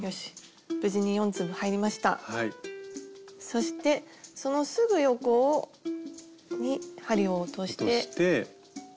そしてそのすぐ横に針を落として。